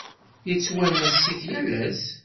Yettwanas-it yal ass.